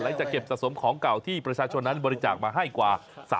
จะเก็บสะสมของเก่าที่ประชาชนนั้นบริจาคมาให้กว่า